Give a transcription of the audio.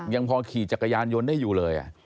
ยังพอขี่จักรยานยนต์ได้อยู่เลย